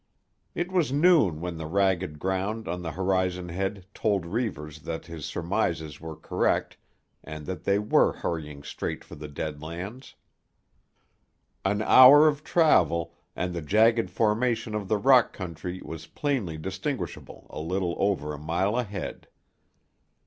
It was noon when the ragged ground on the horizonhead told Reivers that his surmises were correct and that they were hurrying straight for the Dead Lands. An hour of travel and the jagged formation of the rock country was plainly distinguishable a little over a mile ahead.